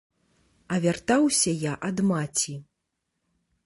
А вяртаўся я ад маці.